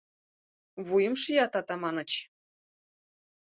— Вуйым шият, Атаманыч...